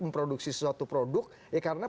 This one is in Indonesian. memproduksi sesuatu produk ya karena